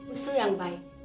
usul yang baik